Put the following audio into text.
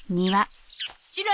シロ。